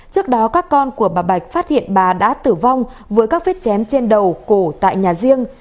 trước đó các con của bà bạch phát hiện bà đã tử vong với các vết chém trên đầu cổ tại nhà riêng